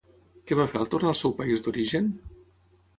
Què va fer al tornar al seu país d'origen?